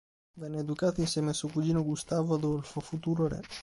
Venne educato insieme a suo cugino Gustavo Adolfo, futuro re.